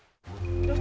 どうしたの？